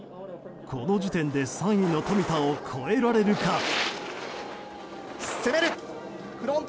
この時点で３位の冨田を超えられるか。